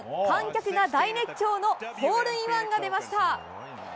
観客が大熱狂のホールインワンが出ました！